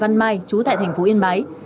và văn mai chú tệ thành phố yên bái